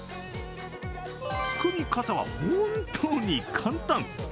作り方は本当に簡単。